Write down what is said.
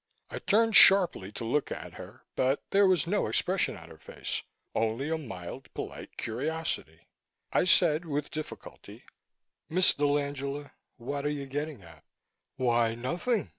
I turned sharply to look at her, but there was no expression on her face, only a mild polite curiosity. I said with difficulty, "Miss dell'Angela, what are you getting at?" "Why, nothing!"